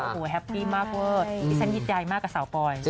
โหแฮปปี้มากเวิร์ดฉันยินใจมากกับสาวปอย